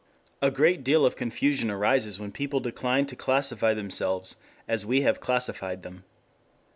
A great deal of confusion arises when people decline to classify themselves as we have classified them.